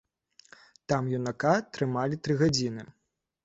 Там юнака трымалі тры гадзіны.